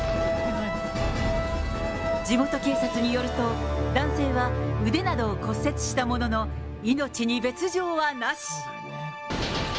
地元警察によると、男性は腕などを骨折したものの、命に別状はなし。